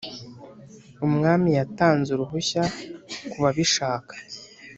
Umwami yatanze uruhushya kubabishaka.